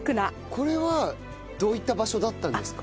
これはどういった場所だったんですか？